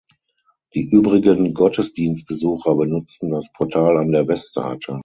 Die übrigen Gottesdienstbesucher benutzten das Portal an der Westseite.